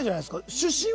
出身は？